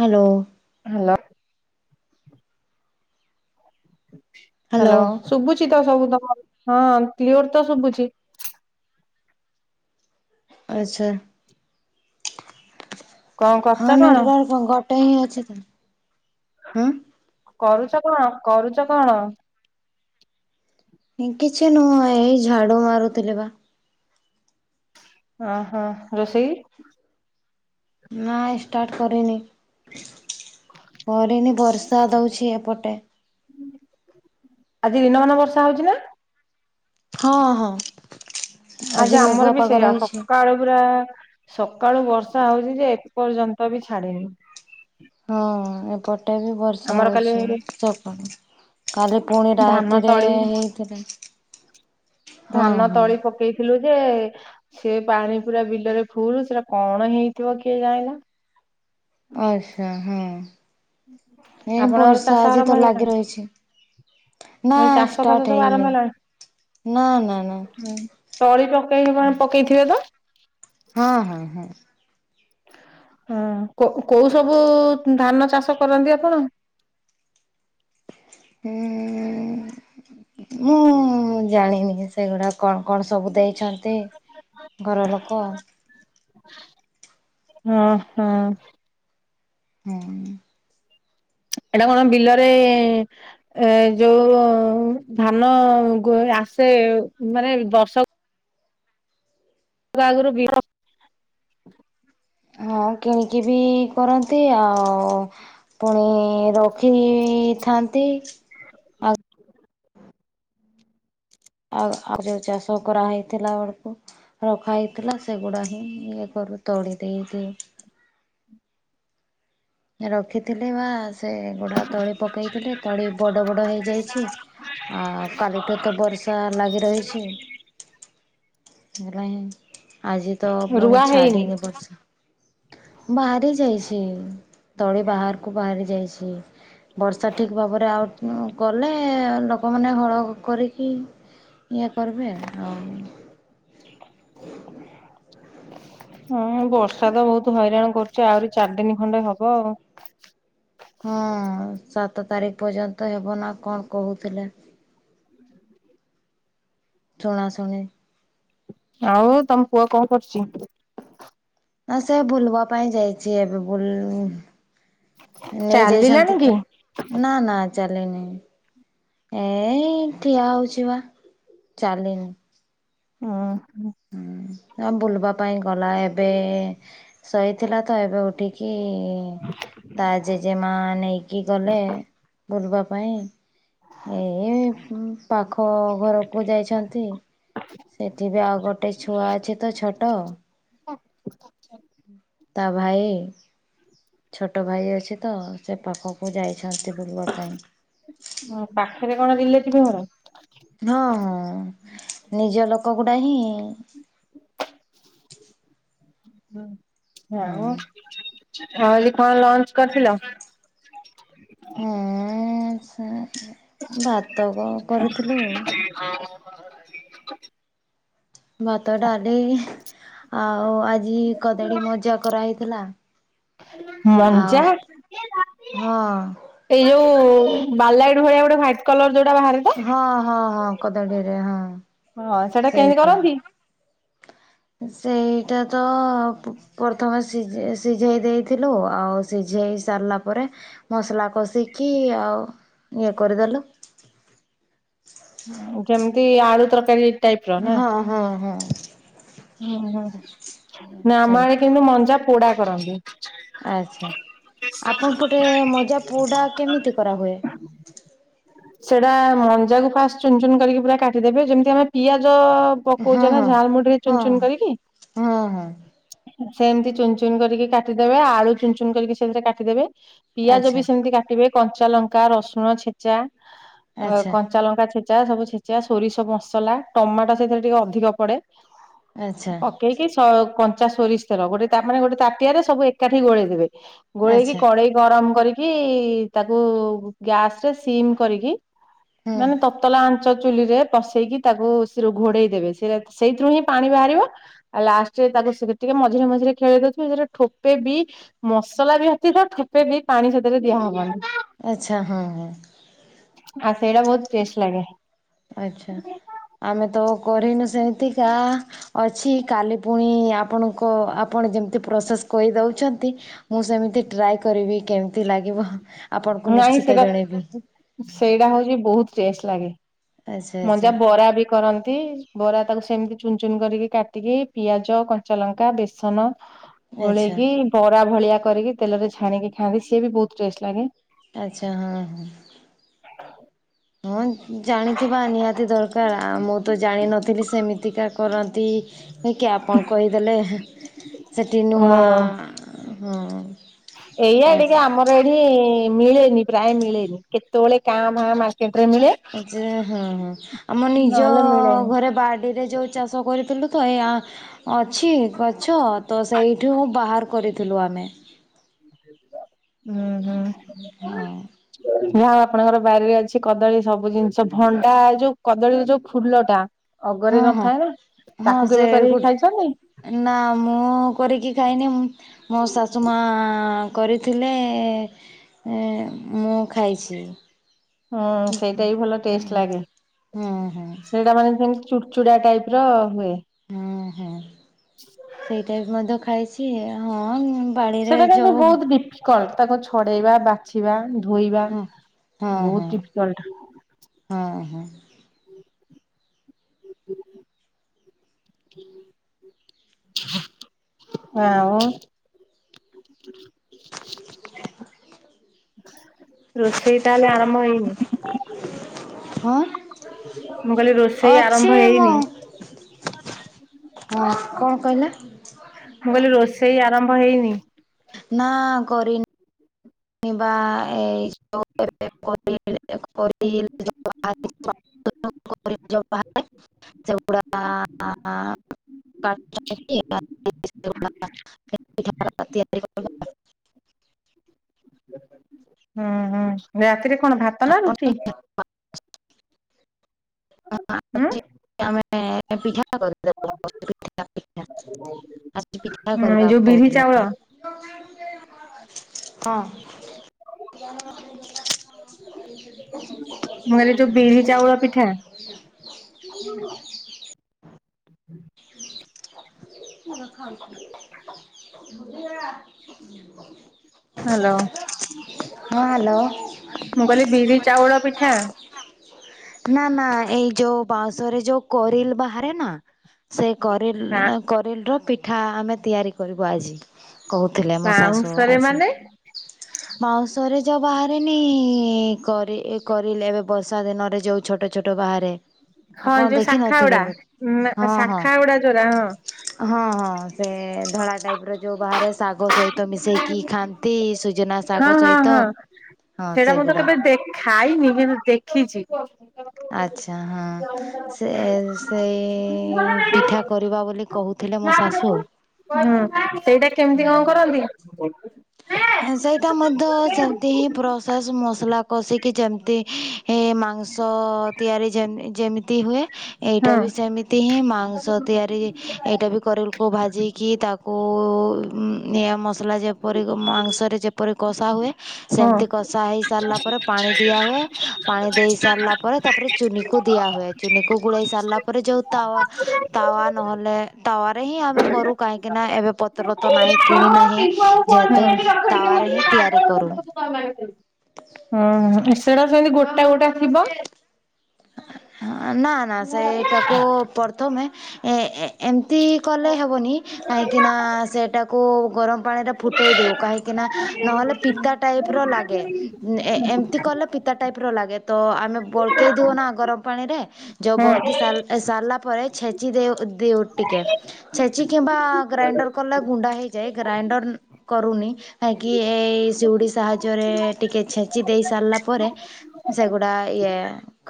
Hello. Hello. Hello ଶୁଭୁଛି ତ ସବୁ ତ ହଁ କ୍ଲିୟର ତ ଶୁଭୁଛି। ଆଚ୍ଛା। କଣ କରୁଛ ହଁ କଣ ନେଟ ରା କଣ ଗୋଟେ ହିଁ ଅଛି ତ ଆଁ କରୁଛ କଣ କରୁଛ କଣ? କିଛି ନୁହଁ ଏଇ ଝାଡୁ ମାରୁଥିଲି ବା ଓ ହୋ ରୋଷେଇ? ନା ଷ୍ଟାର୍ଟ କରିନି। କରିନି ବର୍ଷା ଦଉଛି ଏପଟେ ଆଜି ଦିନମାନ ବର୍ଷା ହଉଛି ନା? ହଁ ହଁ। ଆଜି ଆମର ମେଘୁଆ ବି ପାଗ ସେଇଆ ରହିଛି ସକାଳୁ ପୁରା ସକାଳୁ ବର୍ଷା ହଉଛି ଯେ ଏ ପର୍ଯ୍ୟନ୍ତ ବି ଛାଡିନି। ହଁ ଏପଟେ ବି ବର୍ଷା ଆମର କାଲି ହଉଛି ସକାଳୁ। କାଲି ପୁଣି ଧାନ ରାତିରେ ତଳି ହେଇଥିଲା। ହଁ ଧାନ ହଁ ତଳି ପକେଇଥିଲେ ଯେ ସେ ପାଣି ପୁରା ବିଲରେ ଫୁଲ। ସେଟା କଣ ହେଇଥିବ କିଏ ଜାଣିଲା। ଆଛା ହଁ। ଏଇ ଆପଣଙ୍କର ବର୍ଷା ଚାଷ ଆଜି ତ ଆରମ୍ଭ ଲାଗି ହେଇଗଲାଣି? ରହିଛି ନା ମୁଁ କହିଲି ଚାଷ ଷ୍ଟାର୍ଟ ଫାସ ସବୁ ହେଇନି ଆରମ୍ଭ ହେଲାଣି? ନା ନା ନା ଉଁ ତଳି ପକେଇନି କଣ ପକେଇଥିବେ ତ? ହଁ ହଁ ହଁ। ହଁ କୋଉ କୋଉ ସବୁ ଧାନ ଚାଷ କରନ୍ତି ଆପଣ? ଉ ମୁଁ ଜାଣିନି ସେଗୁଡା କଣ କଣ ସବୁ ଦେଇଛନ୍ତି ଘର ଲୋକ? ଓ ହୋ ହୁଁ ଉଁ। ଏଇଟା କଣ ବିଲରେ ଏ ଯୋଉ ଧାନ ଗୋ ସେ ଆସେ ମାନେ ଦଶ ଯାଗରୁ ବି [unintelligible] ହଁ କିଣିକି ବି କରନ୍ତି ଆଉ ପୁଣି ରଖିବିଥାନ୍ତି ଆଉ ଆଉ ଯୋଉ ଚାଷ କରାହେଇଥିଲା ବେଳକୁ ରଖା ହେଇଥିଲା ସେଗୁଡା ହିଁ ଇଏ ତଡ଼ି ଦେଇ ଦେଇ ହ ରଖିଥିଲେ ବା ସେ ଗୁଡା ତଳି ପକେଇଥିଲେ ତଳି ବଡ ବଡ ହେଇଯାଇଛି। ଆ କାଲିଠୁ ତ ବର୍ଷା ଲାଗି ରହିଛି ହେରା ହିଁ ଆଜି ତ ପୁଣି ରୁଆ ହେଇନି। ଛାଡିିନି ବର୍ଷା ବାହାରି ଯାଇଛି ତଳି ବାହାରକୁ ବାହାରି ଯାଇଛି। ବର୍ଷା ଠିକ ଭାବରେ ଆଉ କଲେ ଲୋକମାନେ ହଳ କରିକି ଇଏ କରିବେ ଆଉ ହ [unintelligible] ହଁ ବର୍ଷା ତ ବହୁତ ହଇରାଣ କରୁଛି ଆହୁରି ଚାରି ଦିନ ଖଣ୍ଡେ ହବ ଆଉ ହଁ ସାତ ତାରିଖ ପର୍ଯ୍ୟନ୍ତ ହେବ ନା କଣ କହୁଥିଲେ? ଶୁଣା ଶୁଣି ଆଉ ତମ ପୁଅ କଣ କରୁଛି? ନା ସେ ବୁଲବା ପାଇଁ ଯାଇଛି ଏବେ ବୁଲ ନେଇ ଚାଲିଲାଣି ଯାଇଛନ୍ତି କି? ତ ନା ନା ଚାଲିନି ଏଇ ଠିଆ ହଉଛି ବା ଚାଲିନି। ହୁଁ। ହୁଁ ଆଉ ବୁଲିବା ପାଇଁ ଗଲା ଏବେ ସୋଇଥିଲା ତ ଏବେ ଉଠିକି କି ତା ଜେଜେମା ନେଇକି ଗଲେ ବୁଲବା ପାଇଁ ଏ ପାଖ ଘରକୁ ଯାଇଛନ୍ତି। ସେଠିବି ଆଉ ଗୋଟେ ଛୁଆ ଅଛି ତ ଛୋଟ। ତା ଭାଇ ଛୋଟ ଭାଇ ଅଛି ତ ସେ ପାଖକୁ ଯାଇ ଛନ୍ତି ବୁଲବା ପାଇଁ। ପାଖରେ କଣ ରିଲେଥିବ ଘର। ହଁ ହଁ ନିଜ ଲୋକ ଗୁଡା ହିଁ। ହୁଁ ହଁ। ନାମ। [inaudible] କଣ ଲଞ୍ଚ କରିଥିଲ ଉଁ ହୁଁ ଭାତ କଣ କରିଥିଲୁ। ଭାତ ଡାଲି ଆଉ ଆଜି କଦଳୀ ମଜା କରାହେଇଥିଲା। ମଞ୍ଜା ଏଇ ଆଉ ଯୋଉ ହଁ ବାରଲାଇଟ ଭଳିଆ ଗୋଟେ ହ୍ୱାଇଟ କଲର ଯୋ ହଁ ହଁ ହଁ କଦଳୀରେ ହଁ। ହଁ ସେଟା କେନ୍ତି ସେଇଟା। କରନ୍ତି? ସେଇଟା ତ ପରଥମେ ସି ସିଝେଇ ଦେଇଥିଲୁ ଆଉ ସିଝ ଝେଇ ସାରିଲା ପରେ ମସଲା କଷିକି ଆଉ ଇଏ କରିଦେଲୁ। ଉଁ କେମିତି ଆଳୁ ତରକାରୀ। ହଁ ହଁ ହଁ। ଉଁ ହୁଁ ନା ଆମ ଆଡ଼େ ସେମିତି କିନ୍ତୁ ମଞ୍ଜା ପୋଡ଼ା କରନ୍ତି। ଆଚ୍ଛା। ଆପଣ ପଟେ ମଜା ପୋଡ଼ା କେମିତି କରାହୁଏ? ସେଟା ମଞ୍ଜାକୁ ଫାଷ୍ଟ୍ ଚୁନ୍ ଚୁନ୍ କରିକି ପୁରା କାଟିଦେବେ ଯେମିତି ଆମେ ପିଆଜ ତ ପକଉଚ ନା ଝାଲ୍ ମୁୁଡି଼ରେ। ହା ହଁ ହଁ। ସେଏନ୍ତି ଚୁନ୍ ଚୁନ୍ କରିକି କାଟିଦେବେ ଆଳୁ ଚୁନ୍ ଚୁନ୍ କରିକି ସେ ଅନୁସାରେ କାଟିଦେବେ ପିଆଜ ବି ଆଚ୍ଛା ସେମିତି କାଟିବେ କଞ୍ଚା ଲଙ୍କା ରସୁଣ ଛେଚା ଅ ଆଚ୍ଛା। କଞ୍ଚା ଲଙ୍କା ଛେ ଚା ସବୁ ଛେଚା ସୋରିସ ବସଲା ଟମାଟ ସେଥିରେ ଟିକେ ଅଧିକ ପଡ଼େ। ଆଚ୍ଛା ପକେଇକି ସ କନ୍ ଚା ସୋରିଷ୍ ତେଲ ଗୋଟେ ତା ମାନେ ଗୋଟେ ତାଟିଆରେ ସବୁ ଏକାଠି ଗୋଳେଇ ଦେବେ ଗୋଳେଇକି ଆଚ୍ଛା କଡ଼େଇ ଗରମ୍ କରି କି ତାକୁ ଗ୍ୟାସ୍ ରେ ସିମ୍ କରିକି ହୁଁ ମାନେ ତତଲା ଆ ଚ ଚୁଲିରେ ପସେଇକି ତାକୁ ସିରୁ ଘୋଡ଼େଇ ଦେବେ ସେ ସେଇଥିରୁ ହିଁ ପାଣି ବାହାରିବ ଆଉ ଲାଷ୍ଟ୍ ରେ ତାକୁ ସୁଗେର୍ ଟିକେ ମଝିରେ ମଝିରେ ଖେଳେଇ ଦଉଥିବେ ଯଉଥିରେ ଠୋପେ ବି ମସ୍ ସଲା ବ୍ୟତିତ ଠପେ ବି ପାଣି ସେଥିରେ ଦିଆ ହବନି। ଆଚ୍ଛା ହଁ ହଁ। ଆ ସେଇଟା ବୋହୁତ୍ ଟେଷ୍ଟ୍ ଲାଗେ। ଆଚ୍ଛା ଆମେ ତ କରେଇନୁ ସେଏତିକା ଅ ଛି କାଲି ପୁଣି ଆପଣଙ୍କ ଆପଣ ଯେମ୍ ତି ପ୍ରସେସ୍ କହିଦଉଛନ୍ତି ମୁଁ ସେମିତି ଡ୍ରାଏ କରିବି କେମ୍ ତି ଲାଗିବ। ଆପଣଙ୍କୁ ଉମ୍ ନାଇଁ ନିଶ୍ଚିତ ସେଗର୍ ଜଣେଇବି ସେଇଟା ହୋଉଛି ବୋହୁତ୍ ଚେସ୍ ଲାଗେ ଆଚ୍ଛା ଆଚ୍ଛା ମଞ୍ଜା ବରା ବି କରନ୍ତି। ବରା ତାକୁ ସେମ୍ ତି ଚୁନ୍ ଚୁନ୍ କରିକି କାଟିକି ପିଆଜ କଞ୍ଚା ଲଙ୍କା ବେସନ ଆଚ୍ଛା। ଗୋଳେଇକି ବରା ଭଳିଆ କରିକି ତେଲରେ ଛାଣିକି ଖାଆନ୍ତି ସିଏ ବି ବୋହୁତ୍ ବହୁତ୍ ଟେଷ୍ଟ୍ ଲାଗେ। ଆଚ୍ଛା ହଁ ହଁ। ହଁ ଜାଣିଥିବା ନିହାତି ଦରକାର୍ ଆ ମୁଁ ତ ଜାଣିନଥିଲି ସେମିତିକା କରନ୍ତି ହେକି ଆପଣ କହିଦେଲେ ସେଠି ନୂଆ ମୁଁ ହଁ। ଏଇଆ ଆ ଟିକେ ଆମର ଏଠି ମିଳେନି ପ୍ରାଏ ମିଳେନି କେ ତୋଳେ କାଁ ଭାଁ ମା [unintelligible] ଆଚେରେ ହଁ ହଁ ଆମ ନିଜ ନହେଲେ ମିଳେନି ଘରେ ବାଡିରେ ଯୋଉ ଚାଷ କରିଥିଲୁ ତ ଏଆ ଅଛି ଗଛ ତ ସେଇଠୁ ବାହାର୍ କରିଥିଲୁ ଆମେ। ଉଁ। ହଁ। ଯାହା ଆପଣଙ୍କର ବାରିରେ ଅଛି କଦଳୀ ସବୁ ଜିନ୍ ଷ ଭଣ୍ଡା ଏଇ ଯୋଉ କଦଳୀର ଯୋଉ ଫୁଲଟା ହଁ ହଁ ହଁ ସେ କରିକି ଗୋଟେ ଖାଇଛନ୍ତି ଏ ନା ମୁଁ କରିକି ଖାଇନି ମୁଁ ମୋ ଶାଶୁ ମା କରିଥିଲେ ଏ ମୁଁ ଖାଇଛି। ହୁଁ ସେଇଟା ବି ଭଲ ଟେଷ୍ଟ୍ ଲାଗେ। ହଁ ହଁ ସେଡ଼ା ମାନେ [unintelligible] ଚୁଡ଼୍ ଚୁଡ଼ା ଟାଇପ୍ ର ହୁଏ। ହୁଁ ହୁଁ ସେଇଟା ବି ମଧ୍ୟ ଖାଇଛି ହଁ ବାଡିରେ ସେଡ଼ା କିନ୍ତୁ ଯୋଉ ବୋହୁତ୍ ଡିଫିକଲ୍ଟ୍ ତାକୁ ଛଡ଼େଇବା ବାଛିବା ଧୋଇବା ହଁ ହଁ ବୋହୁତ୍ ହଁ ଡିଫିକଲ୍ଟ୍। ହଁ ହଁ ହ ହ ହାଁ ଓ। ହ ରୋଷେଇ ତାଆଲେ ଆରମ୍ଭ ହେଇନି? ହଁ ମୁଁ କହିଲି ରୋଷେଇ ଆରମ୍ଭ ଅଛି ମୁଁ। ହେଇନି ହଁ କଣ କହିଲ? ରମ୍ଭ ହେଇନି? ନା କରିନି। ନି ବା ଏ ତୋ ଏବେ। [unintelligible] [unintelligible] [unintelligible] ତିଆରି କଲା। ହୁଁ ହୁଁ ରାତିରେ କଣ ଭାତ ନା ରୁଟି। ହୁଁ। ମାନେ ପିଠା ବା କରି ଦବ ପିଠା ପିଠା। ଆଜି ପିଠା ଏଇ ଯୋଉ କରିବାକୁ ବିରି ଚାଉଳ କହୁଥିଲେ। ହଁ ହଁ ମୁଁ କହିଲି ଯୋଉ ବିରି ଚାଉଳ ପିଠା ହୁଁ କ ଖା କି ଭ ହା ଲୋ। ହ୍ୟାଲୋ। ମୁଁ କହିଲି ବିରି ଚାଉଳ ପିଠା। ନା ନା ଏଇ ଯୋଉ ବାଉଁଶରେ ଯୋଉ କରିଲ ବାହାରେ ନା ସେ। ବା କରିଲ କରିଲବର ପିଠା ଆମେ ତିଆରି କରିବୁ ଆଜି। କହୁଥିଲେ ମୋ ଶାଶୁ ବାଉଁଶରେ ଆଜି ମାନେ ବାଉଁସ ରେ ଯୋଉ ବାହାରେ। ନି କରି କରିଲେ ଏବେ ବର୍ଷା ଦିନରେ ଯୋଉ ଛୋଟ ଛୋଟ ବାହାରେ। ହଁ ଆପଣ ଯୋଉ ଶାଖା ଦେଖିିନଥିବେ ଗୁଡା ବୋ ନା ହଁ ହଁ। ଶାଖା ଗୁଡା ଯୋଉରା ହଁ ହଁ ହଁ ସେ ଧଳା। ଟାଇପ ର ଯୋଉ ବାହାରେ ଶାଗ ସହିତ ମିଶେଇକି ଖାଆନ୍ତି ସୁଜନା ଶାଗ ହଁ ହଁ ସହିତ। ହଁ ହଁ ସେଇଟା ମୁଁ ତ ସେଗୁଡା। କେବେ ଦେ ଖାଇନି କିନ୍ତୁ ଦେଖିଛି। ଆଚ୍ଛା ହାଁ ସେ ସେଇ ପିଠା କରିବା ବୋଲି କହୁଥିଲେ ମୋ ଶାସ ଦସୁ ହୁଁ ସେଇଟା କେମିତି କଁ କରନ୍ତି। ସେଇଟା ମଧ୍ୟ ସେମତି ହିଁ ପ୍ରସେସ ମସଲା କଷିକି ଯେମତି ହି ମା ମାଂସ ତିଆରି ଯେମ ଯେମିତି ହୁଏ। ହଁ ଏଇଟା ବି ସେମିତି ହିଁ ମାଂସ ତିଆରି ଏଇଟା ବି କରିଲକୁ ଭାଜିକି ତାକୁ। ନିଆଁ ମସଲା ଯେପରି କି ମାଂସରେ ଯେପରି କଷା ହୁଏ। ହଁ। ସେମିତି କଷା ହେଇ ସାରିଲା ପରେ ପାଣି ଦିଆ ହୁଏ ପାଣି ଦେଇ ସାରିଲା ପରେ ତାପରେ ଚୁନି କୁ। ଦିଆ ହୁଏ ଚୁନି କି ଗୋଳେଇ ସାରିଲା ପରେ ଜୋଉ ତାୱା ତାୱା ନହଲେ ତାୱ ରେ ହିଁ ଆମେ କ କରୁ କାହିଁକି ନା ଏବେ ପତ୍ର ତ ହୁଁ ନାହିଁ କିଣି ନାହିଁ ଯେ। ହେତୁ ତାୱା ରେ ହିଁ ତିଆରି କରୁ। ହୁଁ ସେଟା ସେମିତି ଗୋଟା ଗୋଟା ଥିବ। ହଁ ନା ନା ସେଇଟାକୁ ପ୍ରଥମେ ଏ ଏ ଏମିତି କଲେ ହେବନି। କାହିଁକିନା ସେଇଟାକୁ ଗରମ ପାଣିରେ ଫୁଟେଇ ଦେଉ କାହିଁକିନା ନହେଲେ ପିତା ଟାଇପ୍। ର ଲାଗେ ଏ ଏମତି କଲେ ପିତା ଟାଇପ ର ଲାଗେ ତ ଆମେ ବଳକେଇ। ଦଉ ନା ଗରମ ପାଣିରେ ଯୋଉ ବଳକି ହୁଁ ସାରି ସାରିଲା। ପରେ ଛେଚି ଦେଉ ଦେଉ ଟିକେ ଛେଚି କିମ୍ବା ଗ୍ରାଇଣ୍ଡର କଲେ ଗୁଣ୍ଡା ହେଇଯାଏ ଗ୍ରା ଇଣ୍ଡର କରୁନି କାହିଁକି ଏ ସିଉଡି ସାହାଯ୍ୟରେ ଟିକେ ଛେଚି ଦେଇ ସାରିଲା ପରେ। ସେଗୁଡା ଇଏ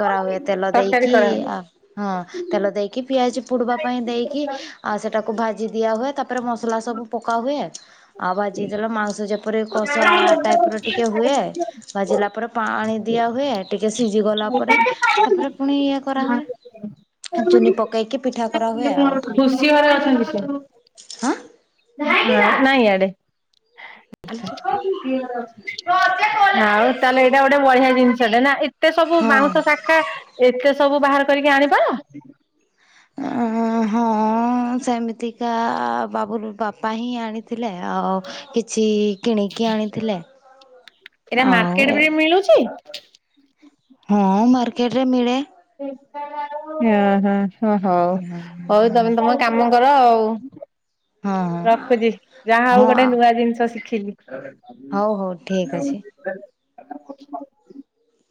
କରାହୁଏ ତେଲ ତରକାରୀ ଦେଇକି କରାହବ। ଆ ହଁ। ତେଲ ଦେଇକି ପିଆଜ ପୋଡିବା ପାଇଁ ଦେଇକି ଆଉ ସେଟାକୁ ଭାଜି ଦିଆ ହୁଏ ତାପରେ ମସଲା ସବୁ ପ କା ହୁଏ ଆଉ ଭାଜି ଦେଲେ ମାଂସ ଯେପରି କଶା ଟାଇପ ର ଟିକେ ହୁଏ ଭାଜିଲା। ତାପରେ ପାଣି ଦିଆ ହୁଏ ଟିକେ ସିଜି ଗଲା ପରେ। ତାପରେ ପୁଣି ଇଏ କରା ହୁଏ ଚୁନି ପକେଇକି ପିଠା କରାହୁଏ। ଆଉ କଣ ଖୁସି ଘରେ ଅଛନ୍ତି ସିଏ। ନାଇଁ ଇଆଡେ। ଆଉ ତାହେଲେ ଏଇଟା ଗୋଟେ ବଢିଆ ଜିନିଷଟେ ନା? ଏତେ ସବୁ ବାଉଁଶ ହଁ ଶାଖା ଏତେ ସବୁ ବାହାର କରି ଆଣିବ? ଅ ହଁ। ହଁ ସେମିତିକା ବାବୁଲ ବାପା ହିଁ ଆଣିଥିଲେ ଆଉ କିଛି କିଣିକି ଆଣିଥିଲେ ଏଇଟା ଆଉ ମାର୍କେଟ ବି ମିଳୁଛି। ହଁ ମାର୍କେଟ ରେ ମିଳେ। ହଁ ହଁ ହଁ ହଉ ହଉ ତମେ ତମେ କାମ କର ଆଉ। ହଁ ହଁ ରଖୁଛି ଯାହା ହଉ ହଁ ଆ ଗୋଟେ ନୂଆ ଜିନିଷ ଶିଖିଲି। ହଉ ହଉ ଠିକ ଅଛି। [inaudible]